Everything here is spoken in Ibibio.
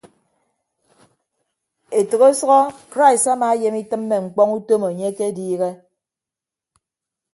Etәk ọsʌhọ krais amaayem itịmme ñkpọñ utom enye akediihe.